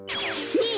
ねえ